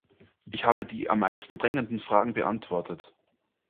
Ich habe die am meisten drängenden Fragen beantwortet.